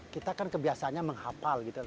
kita kan kebiasaannya menghapal